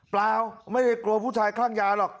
เปล่าไม่ได้กลัวผู้ชายคลั่งยาหรอก